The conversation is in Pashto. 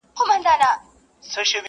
نه په کوډګرو نه په مُلا سي!.